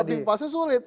boarding passnya sulit